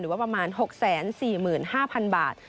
ว่าประมาณ๖๔๕๐๐๐บาท